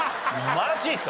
マジか！